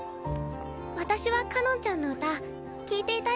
私はかのんちゃんの歌聴いていたいけどな。